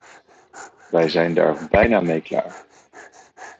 Wij zijn daar bijna mee klaar.